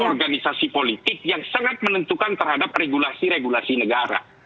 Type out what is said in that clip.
dan organisasi politik yang sangat menentukan terhadap regulasi regulasi negara